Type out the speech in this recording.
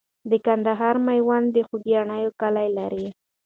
د کندهار میوند د خوګیاڼیو کلی لري.